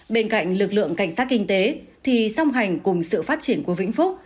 bên cạnh lực lượng cảnh sát kinh tế thì song hành cùng sự phát triển của vĩnh phúc